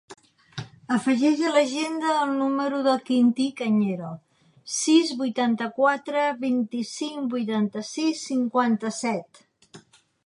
Afegeix a l'agenda el número del Quintí Cañero: sis, vuitanta-quatre, vint-i-cinc, vuitanta-sis, cinquanta-set.